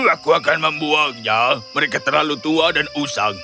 aku akan membuangnya mereka terlalu tua dan usang